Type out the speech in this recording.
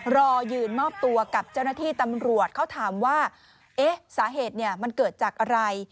รอยืนมอบตัวกับเจ้าหน้าที่ตำรวจเขาถามว่าเอ๊ะสาเหตุเนี่ยมันเกิดจากอะไร